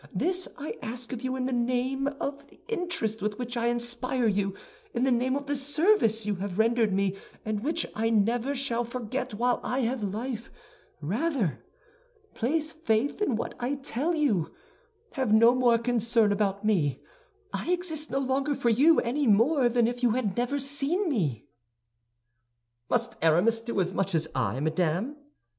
This I ask of you in the name of the interest with which I inspire you, in the name of the service you have rendered me and which I never shall forget while I have life. Rather, place faith in what I tell you. Have no more concern about me; I exist no longer for you, any more than if you had never seen me." "Must Aramis do as much as I, madame?"